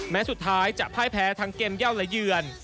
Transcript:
แม้สุดท้ายจะพ่ายแพ้ทั้งเกมเย่าและเยือน